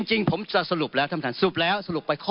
จริงผมจะสลุบแล้วท่านท่านสลุบแล้วสลุบไปข้อ